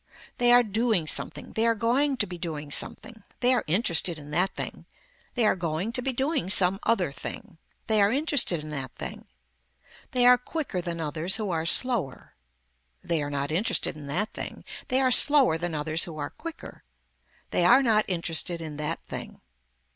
They are doing something, they are going to be doing something. They are interested in that thing. They are going to be doing some other thing. They are interested in that thing. They are quicker than others who are slower. They are not interested in that thing. They are slower than others who are quicker. They are not interested in that thing.